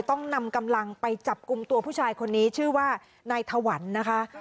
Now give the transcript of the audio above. ต้องนำกำลังไปจับกลุ่มตัวผู้ชายคนนี้ชื่อว่านายถวันนะคะ